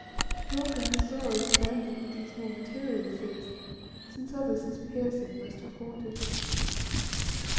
Nor can her sorrows have ended with these more material fears, since others as piercing must have haunted her.